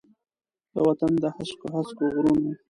د وطن د هسکو، هسکو غرونو،